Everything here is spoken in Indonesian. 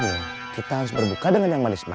jadi kita harus berbuka dengan yang manis